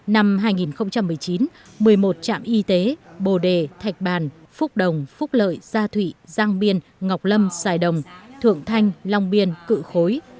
năm hai nghìn một mươi chín một mươi một trạm y tế bồ đề thạch bàn phúc đồng phúc lợi gia thụy giang biên ngọc lâm xài đồng thượng thanh long biên cựu khối